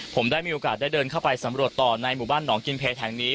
ผมได้มีโอกาสได้เดินเข้าไปสำรวจต่อในหมู่บ้านหนองกินเพลย์แห่งนี้